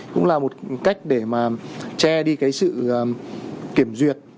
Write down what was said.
cũng là một cách để mà che đi cái sự kiểm duyệt